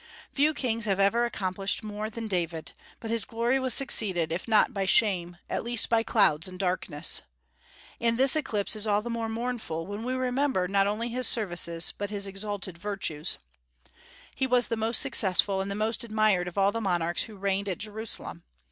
Few kings have ever accomplished more than David; but his glory was succeeded, if not by shame, at least by clouds and darkness. And this eclipse is all the more mournful when we remember not only his services but his exalted virtues. He was the most successful and the most admired of all the monarchs who reigned at Jerusalem.